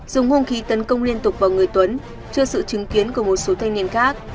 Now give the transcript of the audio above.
dùng hung khí tấn công liên tục vào người tuấn trước sự chứng kiến của một số thanh niên khác